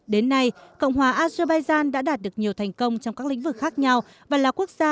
đến nay cộng hòa azerbaijan đã đạt được nhiều thành công trong các lĩnh vực khác nhau và là quốc gia